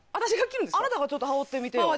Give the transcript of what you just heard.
あなたがちょっと羽織ってみてよ。